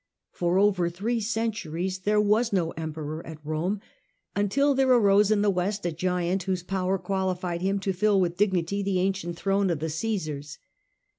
For over three centuries there was no Emperor at Rome, until there arose in the West a giant whose power qualified him to fill with dignity the ancient throne of the Caesars.